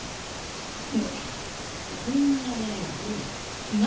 これこんなものがこれ。